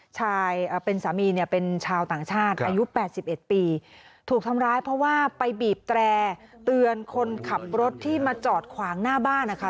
ชายเป็นสามีเนี่ยเป็นชาวต่างชาติอายุ๘๑ปีถูกทำร้ายเพราะว่าไปบีบแตร่เตือนคนขับรถที่มาจอดขวางหน้าบ้านนะคะ